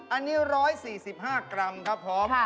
อันนี้๑๔๕กรัมครับผม